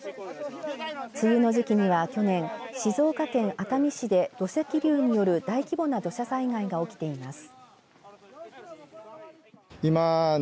梅雨の時期には去年静岡県熱海市で土石流による大規模な土砂災害が起きています。